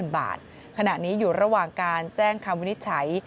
ขณะนี้อยู่ระหว่างการแจ้งคำวินิจฉัย